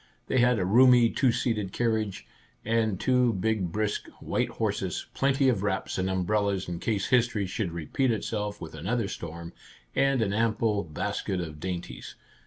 They had a roomy two seated carriage, and two big brisk, white horses, plenty of wraps and umbrellas in case history should repeat itself with another storm, and an ample basket of dainties.